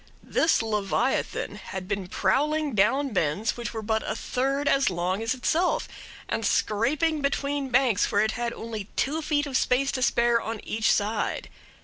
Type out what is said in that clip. This leviathan had been prowling down bends which were but a third as long as itself, and scraping between banks where it had only two feet of space to spare on each side.